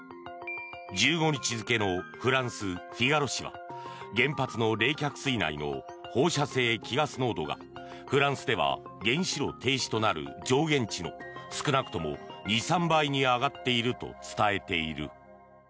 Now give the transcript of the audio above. １５日付のフランスフィガロ紙は原発の冷却水内の放射性希ガス濃度がフランスでは原子炉停止となる上限値の少なくとも２３倍に上がっていると伝えている。